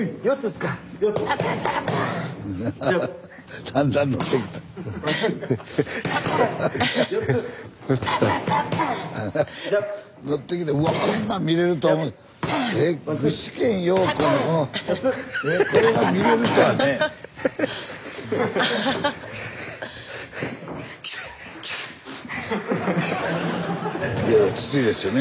スタジオいやいやきついですよね。